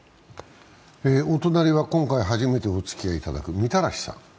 お隣は今回初めておつきあいいただく、みらたしさん。